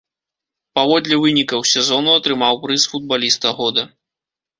Паводле вынікаў сезону атрымаў прыз футбаліста года.